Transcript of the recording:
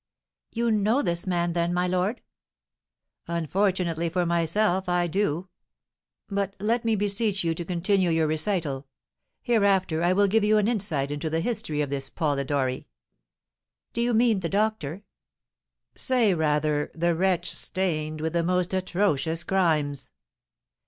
"You know this man, then, my lord?" "Unfortunately for myself, I do; but let me beseech you to continue your recital; hereafter I will give you an insight into the history of this Polidori." "Do you mean the doctor?" "Say, rather, the wretch stained with the most atrocious crimes."